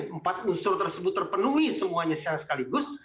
empat unsur tersebut terpenuhi semuanya secara sekaligus